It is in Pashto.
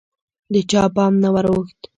د چا پام نه وراوښت